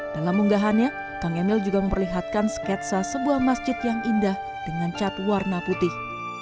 dalam unggahannya kang emil juga memperlihatkan sketsa sebuah masjid yang indah dengan cat warna putih